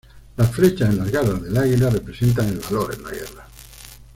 Las flechas en las garras del águila representan el valor en la guerra.